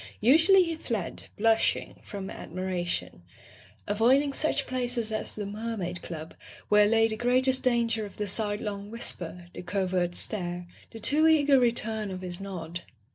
Usually he fled, blushing, from admira tion, avoiding such places as the Mermaid Club, where lay the greatest danger of the sidelong whisper, the covert stare, the too eager return of his nod.